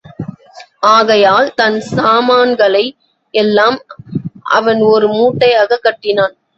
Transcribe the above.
ஆகையால், தன் சாமான்களை யெல்லாம் அவன் ஒரு முட்டையாகக் கட்டினான்.